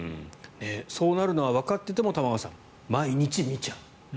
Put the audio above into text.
そうなるのはわかっていても玉川さん、毎日見ちゃう。